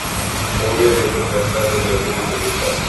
ہوگئے لیکن فیصلہ کن برتری خلیفتہ المسلمین کو مل گئ